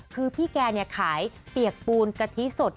คือพี่แกขายเปียกปูนกะทิสด